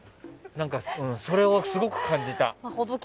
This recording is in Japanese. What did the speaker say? それをすごく感じた。